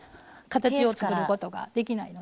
形をつくることができないのでね。